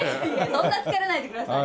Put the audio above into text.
そんな疲れないでください。